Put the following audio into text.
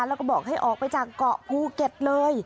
แล้วก็บอกให้ออกไปจากเกาะภูเก็ตเลย